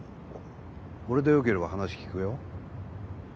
俺でよければ話聞くよ。